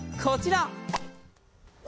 こちら！